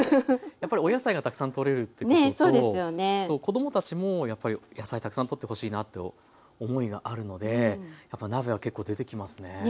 やっぱりお野菜がたくさんとれるってことと子供たちもやっぱり野菜たくさんとってほしいなと思いがあるのでやっぱ鍋は結構出てきますね。